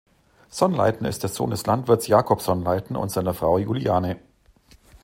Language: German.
Sonnleitner ist der Sohn des Landwirts Jacob Sonnleitner und seiner Frau Juliane.